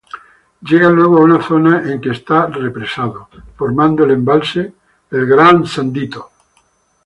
Llega luego a una zona en que está represado, formando el embalse Big Sandy.